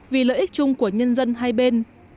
vì lợi ích chung của nhân dân hai bên